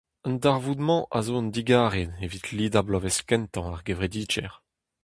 An darvoud-mañ zo un digarez evit lidañ bloavezh kentañ ar gevredigezh.